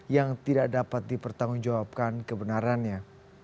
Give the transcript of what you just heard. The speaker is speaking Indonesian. yang tidak dapat dipertanggungjawabkan kebenarannya